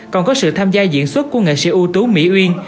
còn có sự tham gia diễn xuất của nghệ sĩ ưu tú mỹ uyên